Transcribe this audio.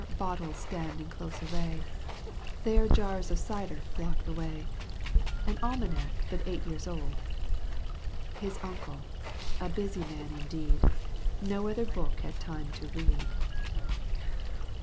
39 Неге bottles stand in close array, There jars of cider block the way, An almanac but eight years old. . His uncle, busy man indeed, N"o other book had time to read.